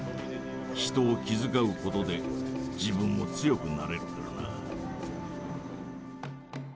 人を気遣うことで自分も強くなれるからな。